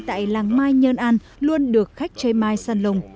tại làng mai nhơn an luôn được khách chơi mai săn lùng